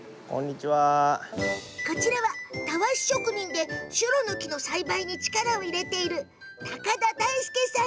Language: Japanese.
こちらはたわし職人でシュロの木の栽培に力を入れている高田大輔さん。